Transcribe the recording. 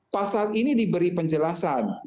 pasal ini diberi penjelasan